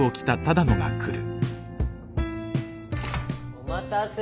お待たせ。